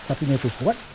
sapinya itu kuat